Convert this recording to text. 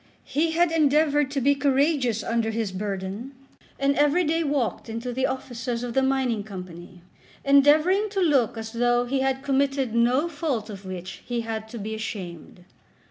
He had endeavoured to be courageous under his burden, and every day walked into the offices of the Mining Company, endeavouring to look as though he had committed no fault of which he had to be ashamed.